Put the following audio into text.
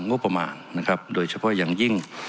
งบประมาณนะครับโดยเฉพาะอย่างยิ่ง